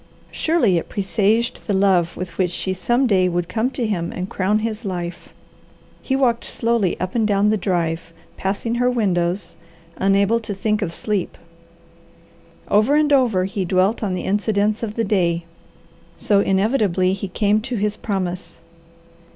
Surely it presaged the love with which she some day would come to him and crown his life. He walked softly up and down the drive, passing her windows, unable to think of sleep. Over and over he dwelt on the incidents of the day, so inevitably he came to his promise.